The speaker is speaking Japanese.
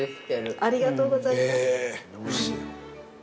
◆ありがとうございます。